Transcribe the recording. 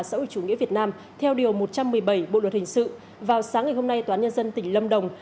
xã hội chủ nghĩa việt nam theo điều một trăm một mươi bảy bộ luật hình sự vào sáng ngày hôm nay toán nhân dân tỉnh lâm đồng